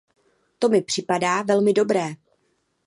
To mi připadá velmi dobré.